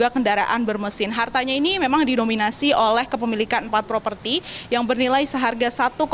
tiga kendaraan bermesin hartanya ini memang didominasi oleh kepemilikan empat properti yang bernilai seharga